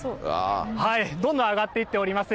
どんどん上がっていっております。